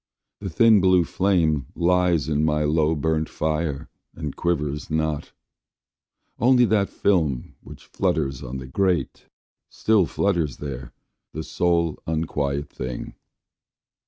the thin blue flame Lies on my low burnt fire, and quivers not; Only that film, which fluttered on the grate, Still flutters there, the sole unquiet thing.